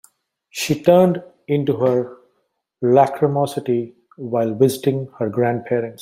She turned into her lachrymosity while visiting her grandparents.